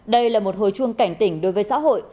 đây là một hồi chuông cảnh tỉnh đối với xã hội